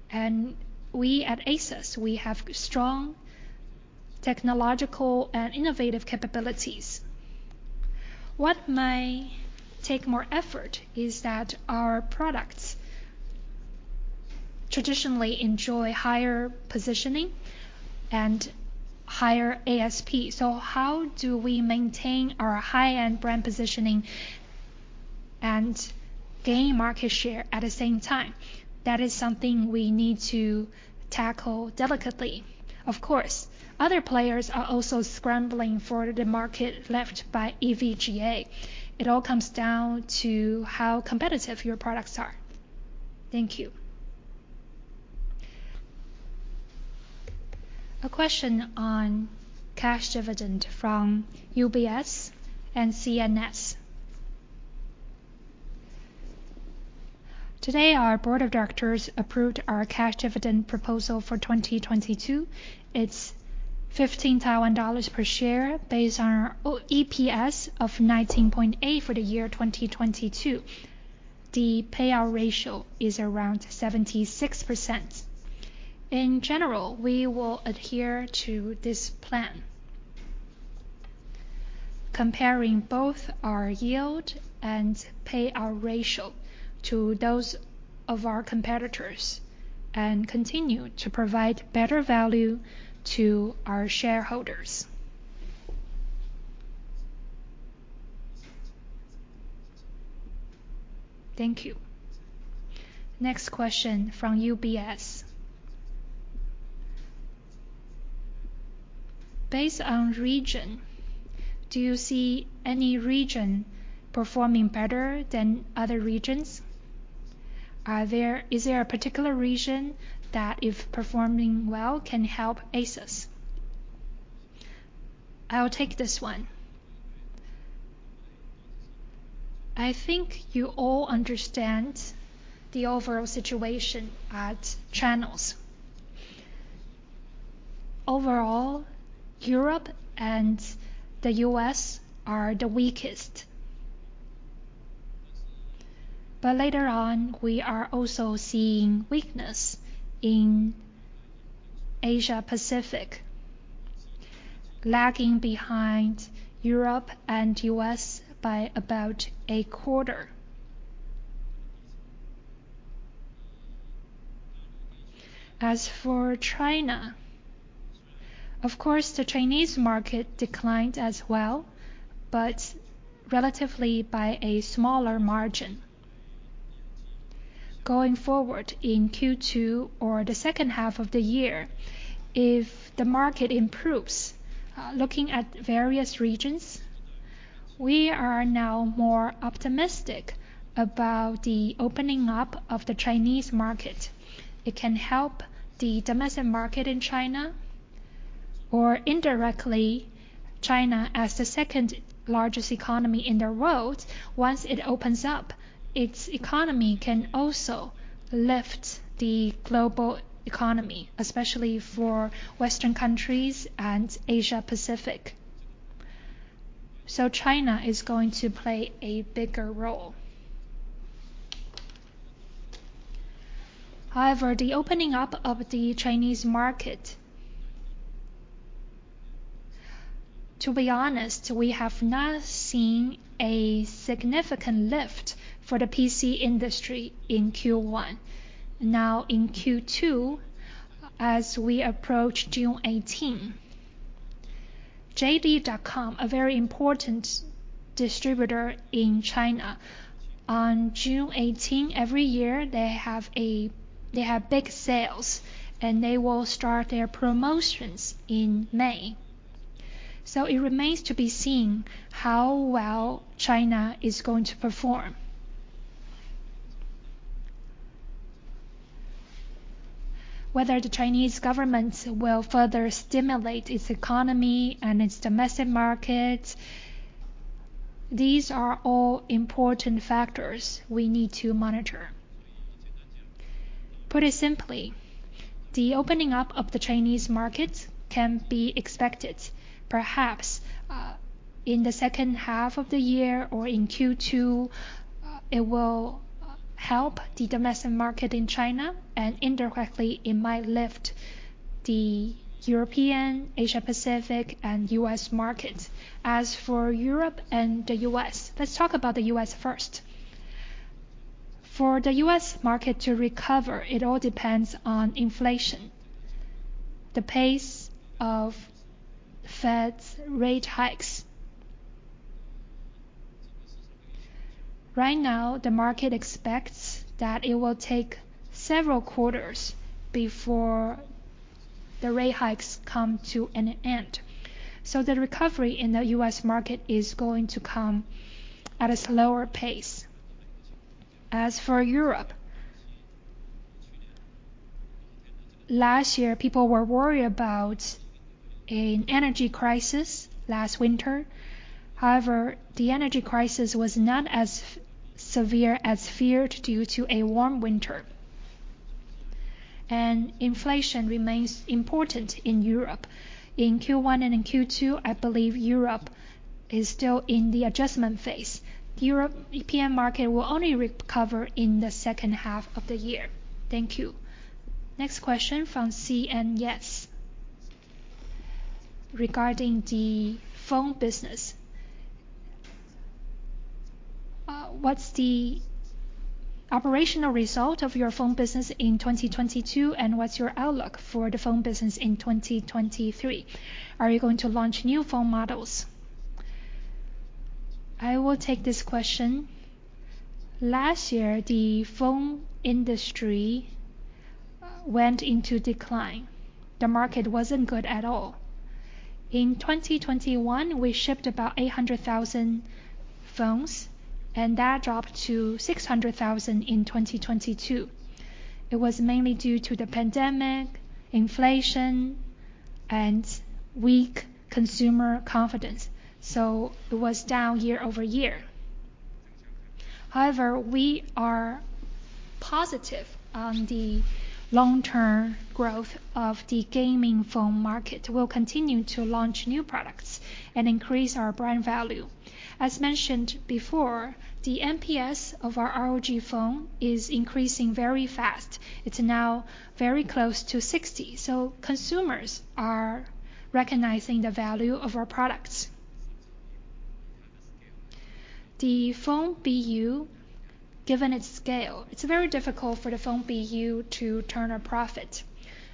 and we at ASUS, we have strong technological and innovative capabilities. What might take more effort is that our products traditionally enjoy higher positioning and higher ASP. How do we maintain our high-end brand positioning and gain market share at the same time? That is something we need to tackle delicately. Of course, other players are also scrambling for the market left by EVGA. It all comes down to how competitive your products are. Thank you. A question on cash dividend from UBS and cnYES. Today, our board of directors approved our cash dividend proposal for 2022. It's 15,000 Taiwan dollars per share based on our EPS of 19.8 for the year 2022. The payout ratio is around 76%. In general, we will adhere to this plan. Comparing both our yield and payout ratio to those of our competitors and continue to provide better value to our shareholders. Thank you. Next question from UBS. Based on region, do you see any region performing better than other regions? Is there a particular region that, if performing well, can help ASUS? I'll take this one. I think you all understand the overall situation at channels. Overall, Europe and the U.S. are the weakest. Later on, we are also seeing weakness in Asia-Pacific, lagging behind Europe and U.S. by about a quarter. China, of course, the Chinese market declined as well, but relatively by a smaller margin. Going forward in Q2 or the second half of the year, if the market improves, looking at various regions, we are now more optimistic about the opening up of the Chinese market. It can help the domestic market in China, or indirectly, China as the second largest economy in the world. Once it opens up, its economy can also lift the global economy, especially for Western countries and Asia-Pacific. China is going to play a bigger role. However, the opening up of the Chinese market, to be honest, we have not seen a significant lift for the PC industry in Q1. In Q2, as we approach June 18, JD.com, a very important distributor in China, on June 18 every year, they have big sales. They will start their promotions in May. It remains to be seen how well China is going to perform. Whether the Chinese government will further stimulate its economy and its domestic market. These are all important factors we need to monitor. Put it simply, the opening up of the Chinese market can be expected. Perhaps, in the second half of the year or in Q2, it will help the domestic market in China, and indirectly it might lift the European, Asia-Pacific, and U.S. market. As for Europe and the U.S., let's talk about the U.S. first. For the U.S. market to recover, it all depends on inflation, the pace of Fed rate hikes. The market expects that it will take several quarters before the rate hikes come to an end. The recovery in the U.S. market is going to come at a slower pace. As for Europe, last year, people were worried about an energy crisis last winter. However, the energy crisis was not as severe as feared due to a warm winter, and inflation remains important in Europe. In Q1 and in Q2, I believe Europe is still in the adjustment phase. The European market will only recover in the second half of the year. Thank you. Next question from cnYES. Regarding the phone business, what's the operational result of your phone business in 2022, and what's your outlook for the phone business in 2023? Are you going to launch new phone models? I will take this question. Last year, the phone industry went into decline. The market wasn't good at all. In 2021, we shipped about 800,000 phones. That dropped to 600,000 in 2022. It was mainly due to the pandemic, inflation, and weak consumer confidence. It was down year-over-year. However, we are positive on the long term growth of the gaming phone market. We'll continue to launch new products and increase our brand value. As mentioned before, the NPS of our ROG phone is increasing very fast. It's now very close to 60. Consumers are recognizing the value of our products. The phone BU, given its scale, it's very difficult for the phone BU to turn a profit.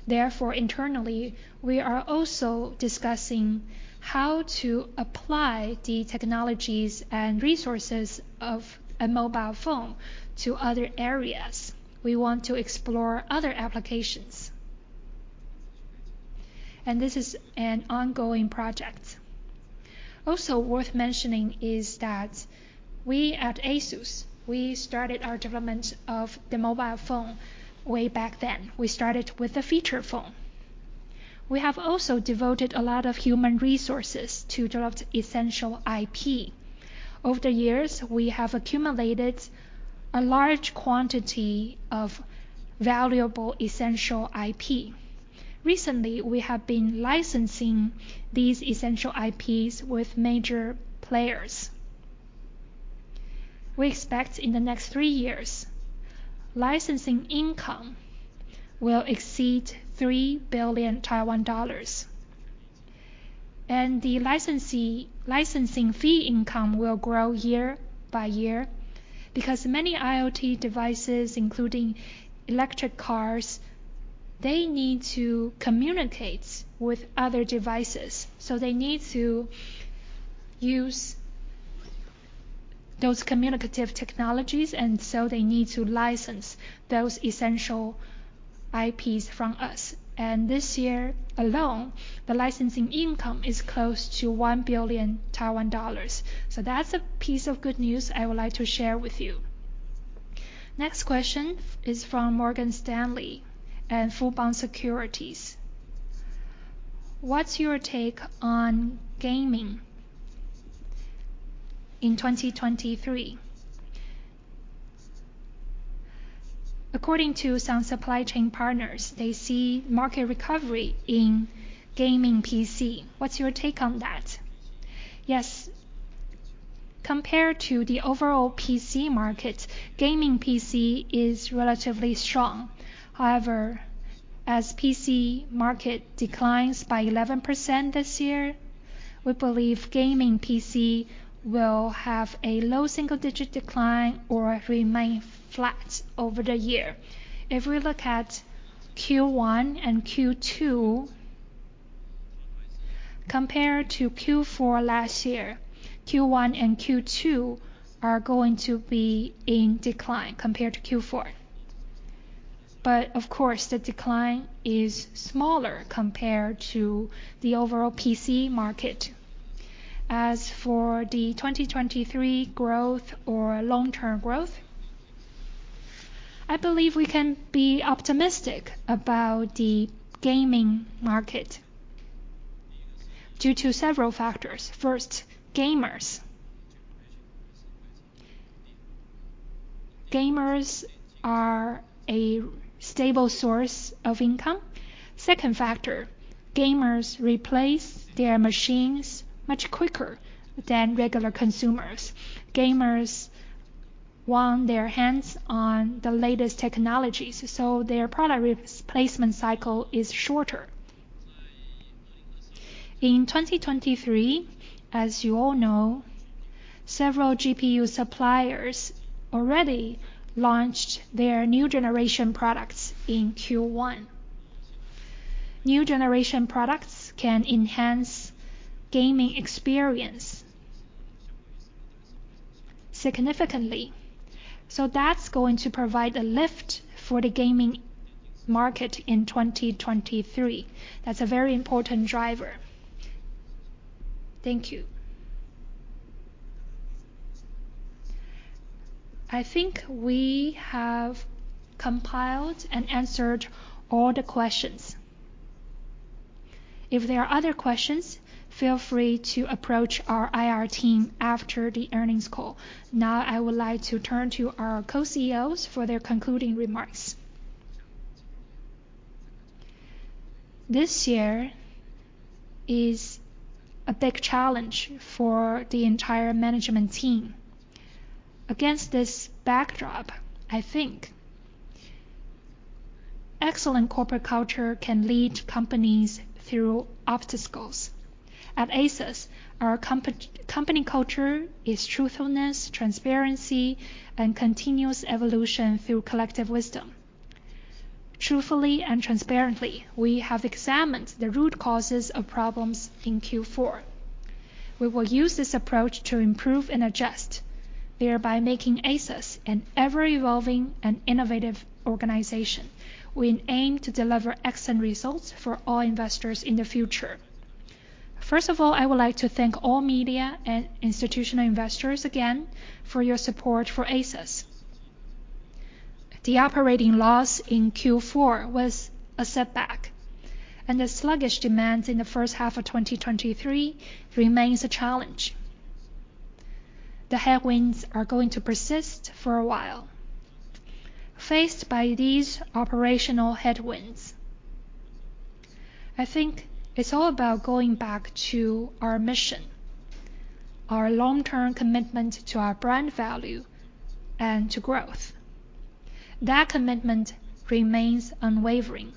Therefore, internally, we are also discussing how to apply the technologies and resources of a mobile phone to other areas. We want to explore other applications. This is an ongoing project. Also worth mentioning is that we at ASUS, we started our development of the mobile phone way back then. We started with a feature phone. We have also devoted a lot of human resources to develop essential IP. Over the years, we have accumulated a large quantity of valuable essential IP. Recently, we have been licensing these essential IPs with major players. We expect in the next three years, licensing income will exceed 3 billion Taiwan dollars. The licensing fee income will grow year by year because many IoT devices, including electric cars, they need to communicate with other devices, so they need to use those communicative technologies, and so they need to license those essential IPs from us. This year alone, the licensing income is close to 1 billion Taiwan dollars. That's a piece of good news I would like to share with you. Next question is from Morgan Stanley and Fubon Securities. What's your take on gaming in 2023? According to some supply chain partners, they see market recovery in gaming PC. What's your take on that? Yes. Compared to the overall PC market, gaming PC is relatively strong. However, as PC market declines by 11% this year, we believe gaming PC will have a low single-digit decline or remain flat over the year. If we look at Q1 and Q2, compared to Q4 last year, Q1 and Q2 are going to be in decline compared to Q4. Of course, the decline is smaller compared to the overall PC market. As for the 2023 growth or long-term growth, I believe we can be optimistic about the gaming market due to several factors. First, gamers. Gamers are a stable source of income. Second factor, gamers replace their machines much quicker than regular consumers. Gamers want their hands on the latest technologies, so their product replacement cycle is shorter. In 2023, as you all know, several GPU suppliers already launched their new generation products in Q1. New generation products can enhance gaming experience significantly. That's going to provide a lift for the gaming market in 2023. That's a very important driver. Thank you. I think we have compiled and answered all the questions. If there are other questions, feel free to approach our IR team after the earnings call. Now, I would like to turn to our co-CEOs for their concluding remarks. This year is a big challenge for the entire management team. Against this backdrop, I think excellent corporate culture can lead companies through obstacles. At ASUS, our company culture is truthfulness, transparency, and continuous evolution through collective wisdom. Truthfully and transparently, we have examined the root causes of problems in Q4. We will use this approach to improve and adjust, thereby making ASUS an ever-evolving and innovative organization. We aim to deliver excellent results for all investors in the future. First of all, I would like to thank all media and institutional investors again for your support for ASUS. The operating loss in Q4 was a setback. The sluggish demands in the first half of 2023 remains a challenge. The headwinds are going to persist for a while. Faced by these operational headwinds, I think it's all about going back to our mission, our long-term commitment to our brand value and to growth. That commitment remains unwavering.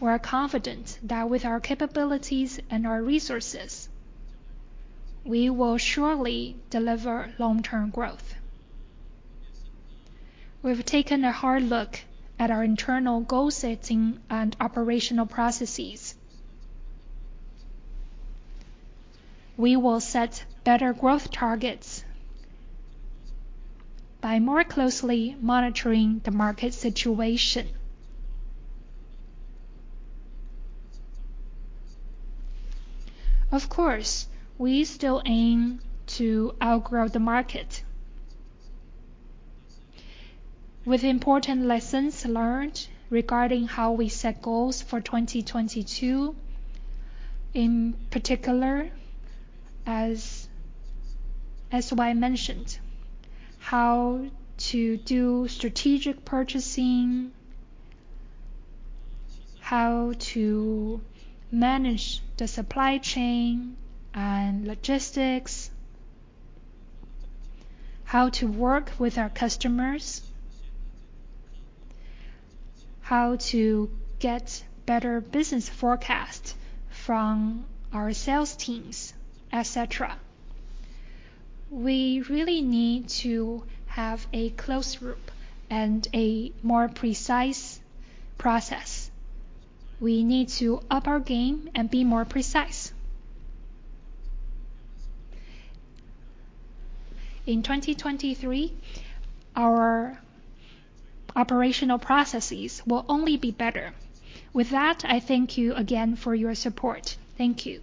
We're confident that with our capabilities and our resources, we will surely deliver long-term growth. We've taken a hard look at our internal goal setting and operational processes. We will set better growth targets by more closely monitoring the market situation. Of course, we still aim to outgrow the market. With important lessons learned regarding how we set goals for 2022, in particular, as S.Y. Hsu mentioned how to do strategic purchasing, how to manage the supply chain and logistics, how to work with our customers, how to get better business forecasts from our sales teams, et cetera. We really need to have a close group and a more precise process. We need to up our game and be more precise. In 2023, our operational processes will only be better. With that, I thank you again for your support. Thank you.